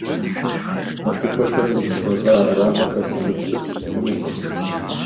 МэкъупӀэхэм удз гъэгъа Ӏэрамэхэр къыщыпщып хъунукъым.